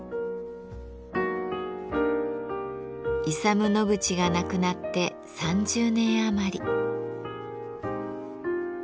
イサム・ノグチが亡くなって３０年余り。